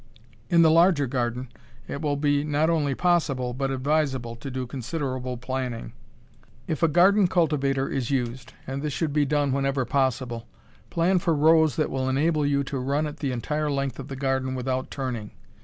In the larger garden it will be not only possible, but advisable, to do considerable planning. If a garden cultivator is used and this should be done whenever possible plan for rows that will enable you to run it the entire length of the garden without turning.